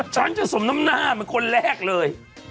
ฉันจะสมน้ำหน้าเหมือนคนแรกเลย